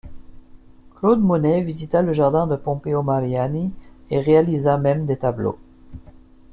Claude Monet visita le jardin de Pompeo Mariani et réalisa même des tableaux.